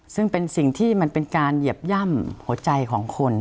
ซึ่งเป็นสิ่งที่มันเป็นการเหยียบย่ำหัวใจของคน